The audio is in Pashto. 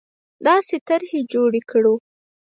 داسې طرحې جوړې کړو